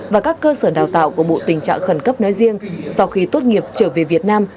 và các cơ sở đào tạo của bộ tình trạng khẩn cấp nói riêng sau khi tốt nghiệp trở về việt nam